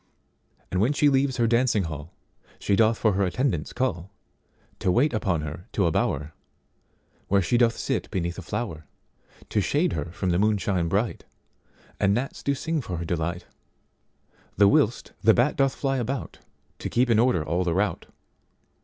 And when she leaves her dancing hallShe doth for her attendants call, To wait upon her to a bower, Where she doth sit beneath a flower, To shade her from the moonshine bright; And gnats do sing for her delight. The whilst the bat doth fly aboutTo keep in order all the rout.